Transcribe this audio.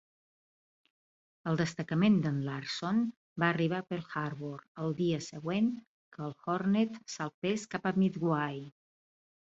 El destacament d'en Larson va arribar a Pearl Harbor el dia següent que el "Hornet" salpés cap a Midway.